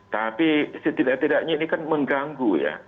tapi setidaknya ini kan mengganggu ya